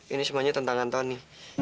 ini semuanya tentang antoni